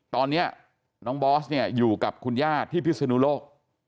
ตอนนี้น้องบอสเนี่ยอยู่กับคุณย่าที่พิศนุโลก